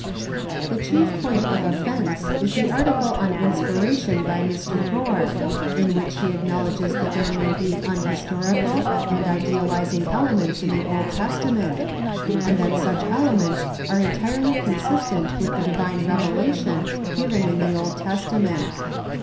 The chief point of offence is the article on Inspiration by Mr. Gore, in which he acknowledges tliat there may be unhis torical and idealizing elements in the Old Testament, and that such elements are entirely consistent with the divine revela tion given in the Old Testament.